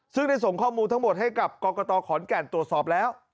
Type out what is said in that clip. ซึ่งได้ส่งข้อมูลทั้งหมดให้กับกรกตขอนแก่นตรวจสอบแล้ว